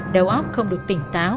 đầu óc không được tỉnh táo